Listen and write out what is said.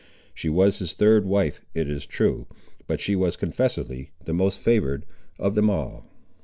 She was his third wife, it is true, but she was confessedly the most favoured of them all.